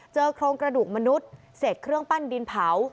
โครงกระดูกมนุษย์เศษเครื่องปั้นดินเผา